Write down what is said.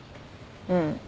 うん。